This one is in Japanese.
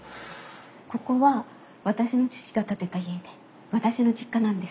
ここは私の父が建てた家で私の実家なんです。